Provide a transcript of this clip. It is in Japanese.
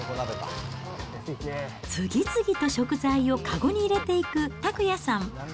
次々と食材を籠に入れていく拓也さん。